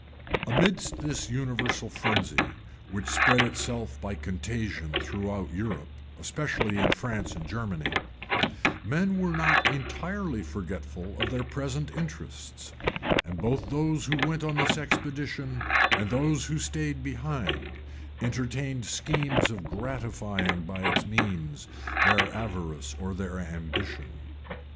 [*] Amidst this universal frenzy, which spread itself by contagion throughout Europe, especially in France and Germany, men were not entirely forgetful of their present interests; and both those who went on this expedition, and those who stain behind, entertained schemes of gratifying by its means their avarice or their ambition.